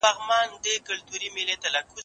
زه اجازه لرم چي سبزیجات وچوم؟